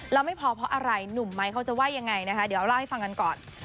แล้วไม่พอเพราะอะไรหนุ่มไม้เขาจะว่ายังไงนะคะเดี๋ยวเล่าให้ฟังกันก่อน